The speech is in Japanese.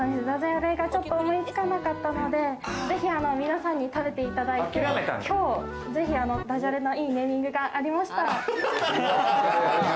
ダジャレがちょっと思いつかなかったので、ぜひ皆さんに食べていただいて、今日ぜひダジャレのいいネーミングがありましたら。